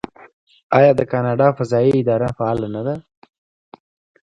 آیا د کاناډا فضایی اداره فعاله نه ده؟